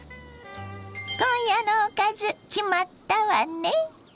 今夜のおかず決まったわね。